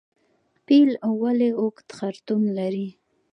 پیل ولې اوږد خرطوم لري؟